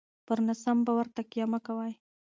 پر ناسم باور تکیه مه کوئ.